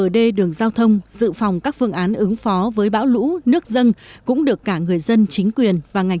để gửi tặng tới các cụ và gia đình